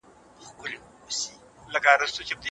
د نورو هیوادونو له بریالیو اقتصادي تجربو څخه زده کړه وکړئ.